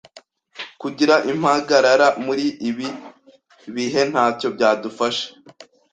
kugira impagarara muri ibi bihe ntacyo byadufasha.